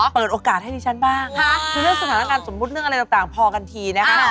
เปิดโอกาสให้ดิฉันบ้างคือเรื่องสถานการณ์สมมุติเรื่องอะไรต่างพอกันทีนะคะ